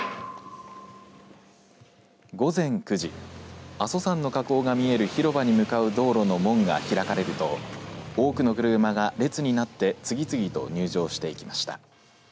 午前９時阿蘇山の火口が見える広場に向かう道路の門が開かれると多くの車が列になって次々と入場していきました。